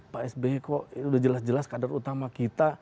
pak sby kok udah jelas jelas kader utama kita